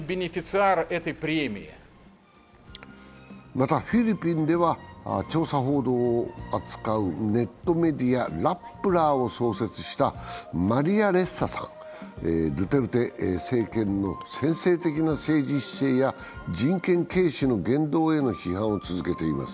また、フィリピンでは調査報道を扱うネットメディア、ラップラーを創設したマリア・レッサさん、ドゥテルテ政権の専制的な政治姿勢や人権軽視の言動への批判を続けています。